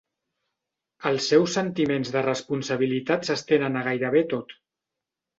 Els seus sentiments de responsabilitat s'estenen a gairebé tot.